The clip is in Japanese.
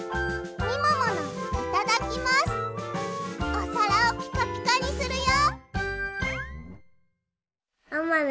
おさらをピカピカにするよ！